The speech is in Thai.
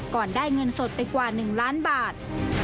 ก่อนได้เงินสดไปกว่า๑ล้านบาท